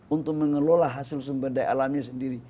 untuk mengelola hasil sumber daya alamnya sendiri